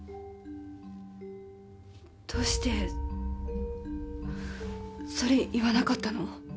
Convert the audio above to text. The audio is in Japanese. どうしてそれ言わなかったの？